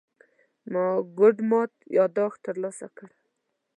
ما ګوډو مات يادښت ترلاسه کړ.